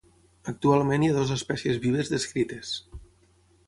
Actualment hi ha dues espècies vives descrites.